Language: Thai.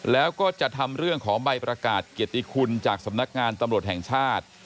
แล้วก็จะทำเรื่องของใบประกาศเกียรติคุณจากสำนักงานตำรวจแห่งชาติ